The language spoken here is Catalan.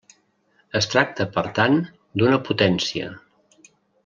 Es tracta per tant d'una potència.